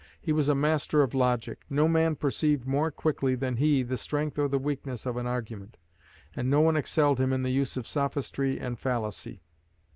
He was a master of logic. No man perceived more quickly than he the strength or the weakness of an argument, and no one excelled him in the use of sophistry and fallacy.